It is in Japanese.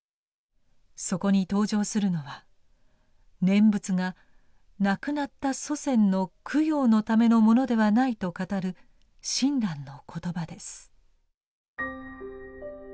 そこに登場するのは念仏が亡くなった祖先の供養のためのものではないと語る親鸞の言葉です。